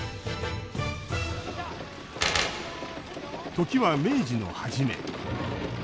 時は明治の初め。